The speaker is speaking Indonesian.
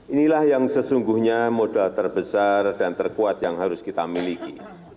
inilah yang sesungguhnya modal terbesar dan terkuat yang harus kita miliki